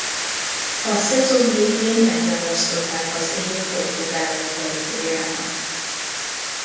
A szezon végén megválasztották az év portugál labdarúgójának.